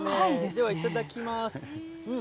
ではいただきます。